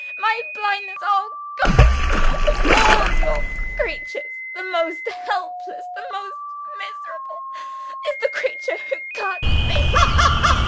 my blindness! Oh, God, of all your creatures, the most helpless, the most miserable, is the creature who can't see!"